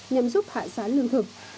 nhằm giúp hạ giá lương thực